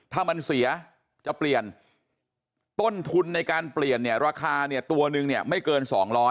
ถ้ามันเสียจะเปลี่ยนต้นทุนในการเปลี่ยนเนี่ยราคาเนี่ยตัวนึงเนี่ยไม่เกิน๒๐๐